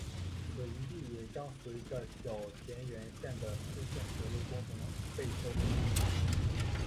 而此遗迹也将随着小田原线的四线铁路工程被消除。